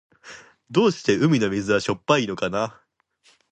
どうして海の水はしょっぱいのかな。